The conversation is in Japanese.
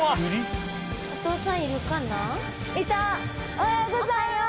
おはようございます。